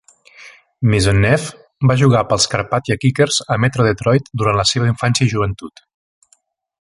Maisonneuve va jugar pels Carpathia Kickers a Metro Detroit durant la seva infància i joventut.